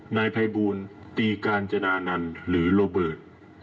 นายภัยบูลตีกาญจนานันต์หรือโรเบิร์ต